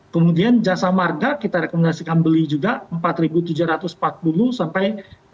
kemudian jasa marga kita rekomendasikan beli juga empat ribu tujuh ratus empat puluh sampai empat ribu delapan ratus sembilan puluh